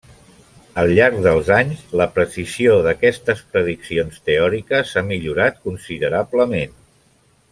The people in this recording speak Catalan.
Al llarg dels anys, la precisió d'aquestes prediccions teòriques ha millorat considerablement.